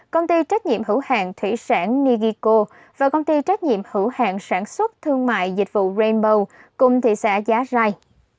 công ty trách nhiệm hữu hạng thủy sản nigiko và công ty trách nhiệm hữu hạng sản xuất thương mại dịch vụ rainbow cùng thị xã giá rai